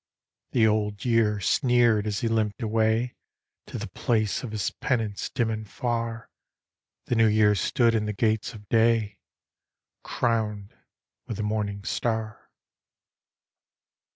" The Old Year sneered as he limped away To the place of his penance dim and far. The New Year stood in the gates of day, Crowned with the morning star.